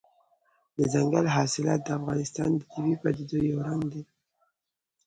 دځنګل حاصلات د افغانستان د طبیعي پدیدو یو رنګ دی.